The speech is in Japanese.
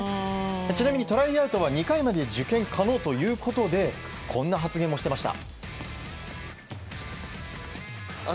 ちなみにトライアウトは２回まで受験可能ということでこんな発言もしてました。